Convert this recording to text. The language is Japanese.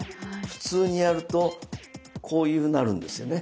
普通にやるとこういうふうになるんですよね。